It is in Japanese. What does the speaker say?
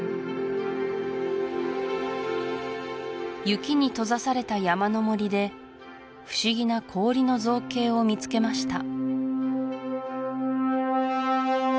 雪に閉ざされた山の森で不思議な氷の造形を見つけました